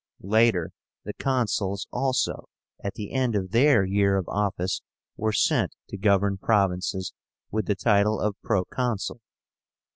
Later, the Consuls also, at the end of their year of office, were sent to govern provinces, with the title of PROCONSUL.